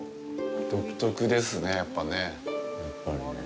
独特ですね、やっぱね。